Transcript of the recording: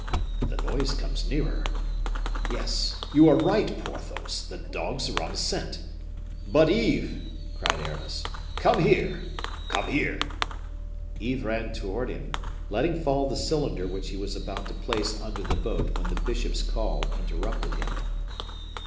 "The noise comes nearer. Yes, you are right, Porthos, the dogs are on a scent. But, Yves!" cried Aramis, "come here! come here!" Yves ran towards him, letting fall the cylinder which he was about to place under the boat when the bishop's call interrupted him.